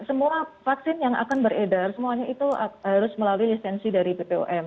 semua vaksin yang akan beredar semuanya itu harus melalui lisensi dari bpom